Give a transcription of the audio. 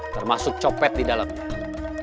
termasuk copet di dalamnya